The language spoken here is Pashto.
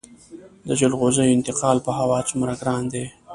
د جلغوزیو انتقال په هوا څومره ګران دی؟